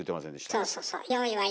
そうそうそう。